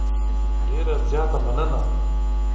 ډېره زیاته مننه .